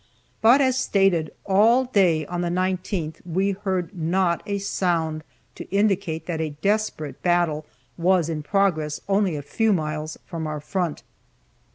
But, as stated, all day on the 19th we heard not a sound to indicate that a desperate battle was in progress only a few miles from our front.